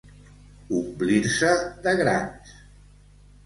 Omplir-se de grans.